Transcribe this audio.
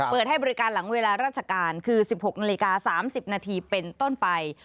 เปิดให้บริการหลังเวลาราชการคือ๑๖นาฬิกา๓๐นาทีเป็นต้นไป